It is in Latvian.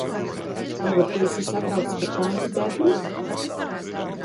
Tagad tu esi satraukts par tanti Debru?